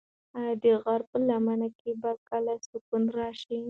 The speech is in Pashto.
ایا د غره په لمن کې به بیا کله سکون راشي؟